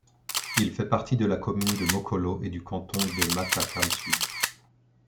Il fait partie de la commune de Mokolo et du canton de Matakam-Sud.